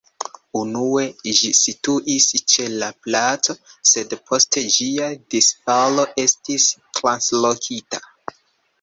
Unue ĝi situis ĉe la placo, sed post ĝia disfalo estis translokita.